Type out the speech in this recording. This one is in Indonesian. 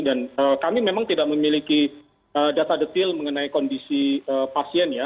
dan kami memang tidak memiliki data detail mengenai kondisi pasien ya